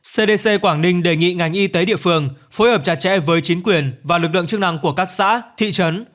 cdc quảng ninh đề nghị ngành y tế địa phương phối hợp chặt chẽ với chính quyền và lực lượng chức năng của các xã thị trấn